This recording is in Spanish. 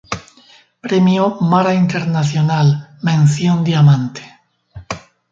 Premio Mara Internacional, mención diamante.